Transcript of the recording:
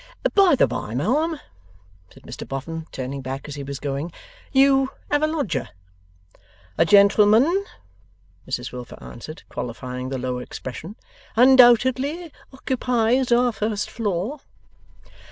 'By the bye, ma'am,' said Mr Boffin, turning back as he was going, 'you have a lodger?' 'A gentleman,' Mrs Wilfer answered, qualifying the low expression, 'undoubtedly occupies our first floor.